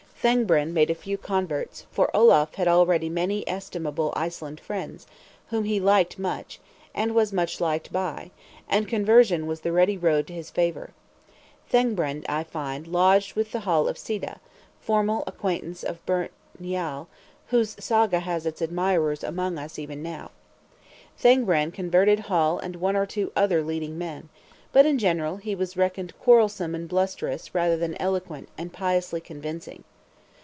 Thangbrand made a few converts; for Olaf had already many estimable Iceland friends, whom he liked much, and was much liked by; and conversion was the ready road to his favor. Thangbrand, I find, lodged with Hall of Sida (familiar acquaintance of "Burnt Njal," whose Saga has its admirers among us even now). Thangbrand converted Hall and one or two other leading men; but in general he was reckoned quarrelsome and blusterous rather than eloquent and piously convincing.